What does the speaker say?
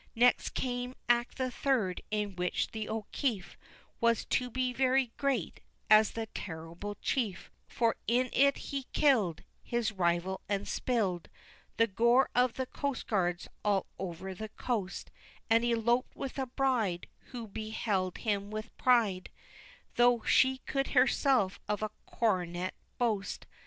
Next came act the third, in which the O'Keefe Was to be very great as the terrible chief, For in it he killed His rival, and spilled The gore of the coastguards all over the coast, And eloped with a bride, Who beheld him with pride Though she could herself of a coronet boast.